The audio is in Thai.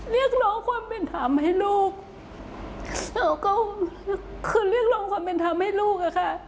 เรียกร้องความเป็นธรรมให้ลูกเราก็คือเรียกร้องความเป็นธรรมให้ลูกอะค่ะ